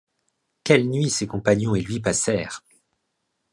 Quelle nuit ses compagnons et lui passèrent!